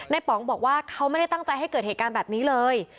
ป๋องบอกว่าเขาไม่ได้ตั้งใจให้เกิดเหตุการณ์แบบนี้เลย